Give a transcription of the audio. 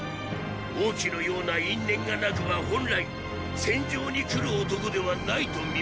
王騎のような因縁がなくば本来戦場に来る男ではないと耳にしたがのォ。